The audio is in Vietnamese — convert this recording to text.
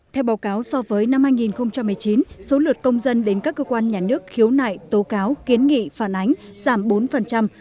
theo báo cáo so với năm hai nghìn một mươi chín số lượt công dân đến các cơ quan nhà nước khiếu nại tố cáo kiến nghị phản ánh giảm bốn